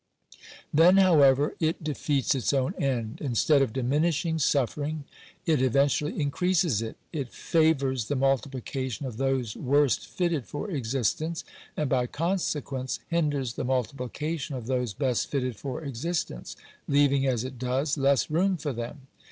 Then, however, it defeats its own end. / Instead of diminishing suffering, it eventually increases it.] It favours the multiplication of those worst fitted for existence, and, by consequence, hinders the multiplication of those best fitted for existence — leaving, as it does, less room for them.